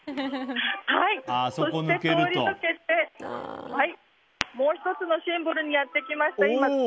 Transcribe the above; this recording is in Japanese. そして、通り抜けてもう１つのシンボルにやってきました。